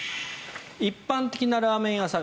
一般的なラーメン屋さん